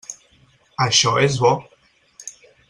Això és bo.